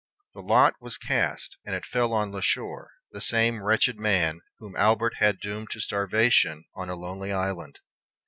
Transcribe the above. The lot was cast, and it fell on La Chore, the same wretched man whom Albert had doomed to starvation on a lonely island.